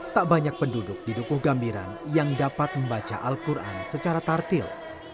tak banyak penduduk di dukuh gambiran yang dapat membaca al quran secara tartil